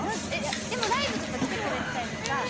でもライブとか来てくれてたりとか。